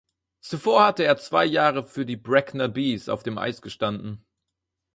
Zuvor hatte er zwei Jahre für die Bracknell Bees auf dem Eis gestanden.